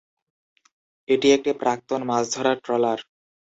এটি একটি প্রাক্তন মাছ ধরার ট্রলার।